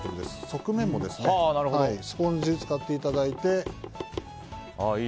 側面もスポンジ使っていただいて。